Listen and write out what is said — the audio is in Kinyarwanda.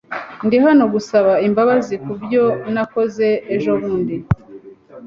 Ndi hano gusaba imbabazi kubyo nakoze ejobundi.